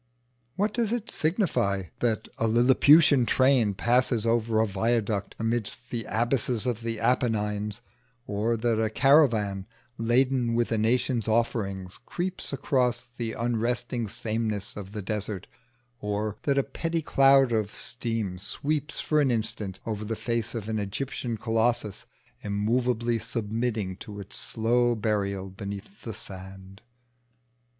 What does it signify that a lilliputian train passes over a viaduct amidst the abysses of the Apennines, or that a caravan laden with a nation's offerings creeps across the unresting sameness of the desert, or that a petty cloud of steam sweeps for an instant over the face of an Egyptian colossus immovably submitting to its slow burial beneath the sand?